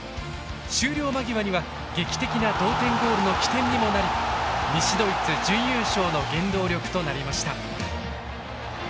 終了間際には劇的な同点ゴールの起点にもなり西ドイツ準優勝の原動力となりました。